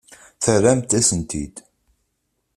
Terramt-asent-t-id.